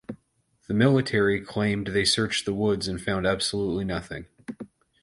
The military claimed they searched the woods and found absolutely nothing.